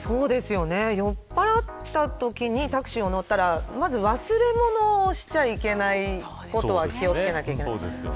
酔っぱらったときにタクシーに乗ったらまず忘れ物しちゃいけないことは気を付けなきゃいけないと思います。